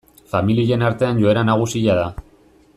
Familien artean joera nagusia da.